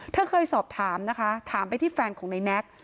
เธอเคยสอบถามนะคะถามไปที่แฟนของนายแน็ก